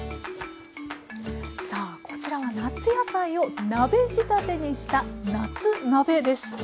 さあこちらは夏野菜を鍋仕立てにした「夏鍋」です。